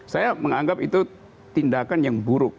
saya menganggap itu tindakan yang buruk